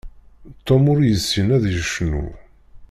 Tom ur yessin ad yecnu.